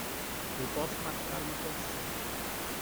Eu posso marcar uma consulta.